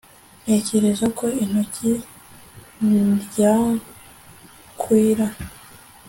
Ntekereza ko ikoti ryankwira